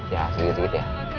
ya sedikit sedikit ya